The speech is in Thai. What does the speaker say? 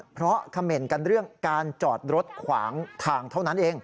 เพราะเขม่นกันเรื่องการจอดรถขวางทางเท่านั้นเอง